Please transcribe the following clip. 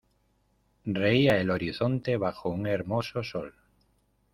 reía el horizonte bajo un hermoso sol.